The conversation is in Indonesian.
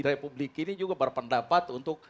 dari publik kini juga berpendapat untuk